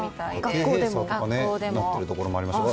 学校閉鎖とかになっているところもありますしね。